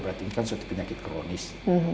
berarti ini kan suatu penyakit kronis